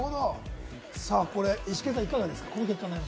イシケンさん、いかがですか？